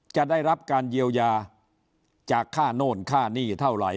จะได้รับการเยียวยาจากค่าโน่นค่าหนี้เท่าไหร่